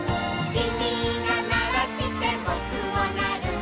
「きみがならしてぼくもなる」